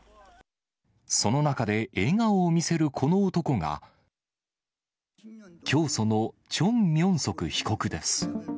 その中で笑顔を見せるこの男が、教祖のチョン・ミョンソク被告です。